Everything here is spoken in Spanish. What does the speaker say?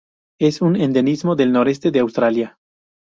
Es un endemismo del noreste de Australia.